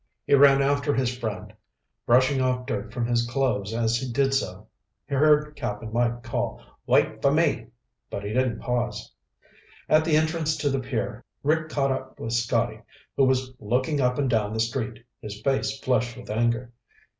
He ran after his friend, brushing off dirt from his clothes as he did so. He heard Cap'n Mike call, "Wait for me!" but he didn't pause. At the entrance to the pier, Rick caught up with Scotty who was looking up and down the street, his face flushed with anger.